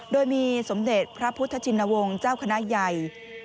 โดยมีสมเด็จพระพุทธชินวงศ์เจ้าคณะใหญ่